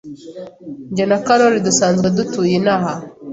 Jye na Karoli dusanzwe dutuye inaha